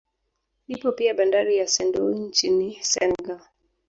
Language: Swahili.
Ipo pia bandari ya Sendou nchini Senegal